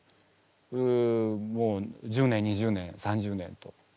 １０年２０年３０年と。